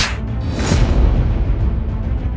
aku ingin menerima keadaanmu